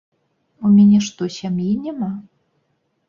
У мяне што, сям'і няма?